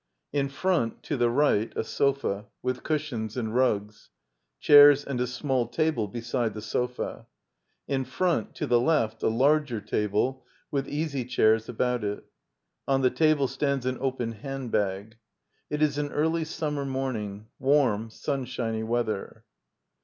In front, to the right, a sofa, with cush ions and rugs. Chairs and a small table beside the sofa. In front, to the left, a larger table, with easy chairs about it. On the table stands an open hand bag. It is an early summer morning; warm, sunshiny weather.